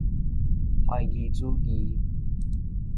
懷疑主義